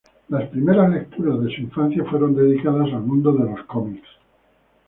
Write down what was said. Las primeras lecturas de su infancia fueron dedicadas al mundo de los cómics.